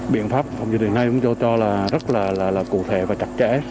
biện pháp không dự định này chúng tôi cho là rất là cụ thể và chặt chẽ